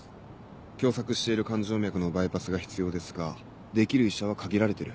狭窄している肝静脈のバイパスが必要ですができる医者は限られてる。